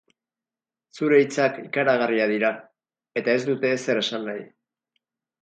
Zure hitzak ikaragarriak dira, eta ez dute ezer esan nahi.